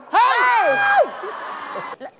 เฮ้ย